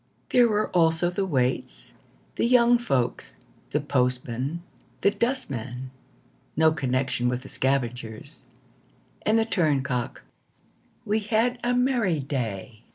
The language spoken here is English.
There were also the waits, The young folks, The postman, The dustman (No connection with the scavengers), And the turncock. We had a merry day.